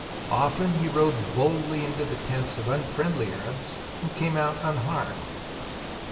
Often he rode boldly into the tents of unfriendly Arabs, and came out unharmed.